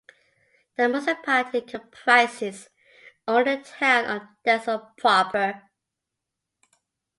The municipality comprises only the town of Dessel proper.